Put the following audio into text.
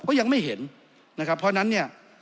ก็ยังไม่เห็นนะครับเพราะฉะนั้นเนี่ย